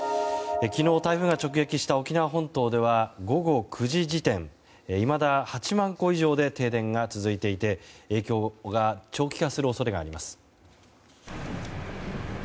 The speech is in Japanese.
昨日、台風が直撃した沖縄本島では午後９時時点いまだ８万戸以上で停電が続いていて影響が長期化する恐れがあります。